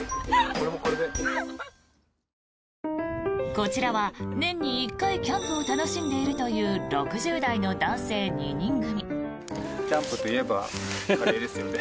こちらは年に１回キャンプを楽しんでいるという６０代の男性２人組。